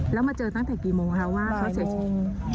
แล้วมาเจอตั้งแต่กี่โมงครับว่าเขาเสร็จ